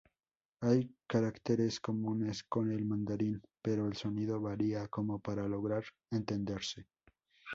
Hay caracteres comunes con el mandarín, pero el sonido varia como para lograr entenderse.